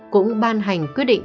cũng ban hành quyết định